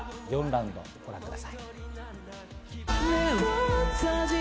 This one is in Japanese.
４ラウンド、ご覧ください。